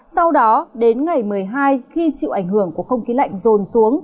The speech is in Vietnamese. sau đó đến ngày một mươi hai khi chịu ảnh hưởng của không khí lạnh rồn xuống